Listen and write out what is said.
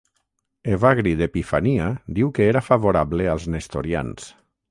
Evagri d'Epifania diu que era favorable als nestorians.